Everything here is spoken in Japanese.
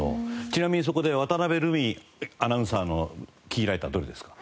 ちなみにそこで渡辺瑠海アナウンサーのキーライトはどれですか？